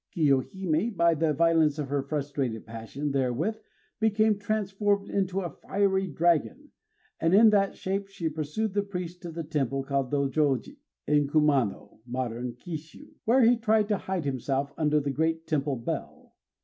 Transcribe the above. Kiyohimé, by the violence of her frustrated passion, therewith became transformed into a fiery dragon; and in that shape she pursued the priest to the temple called Dôjôji, in Kumano (modern Kishû), where he tried to hide himself under the great temple bell.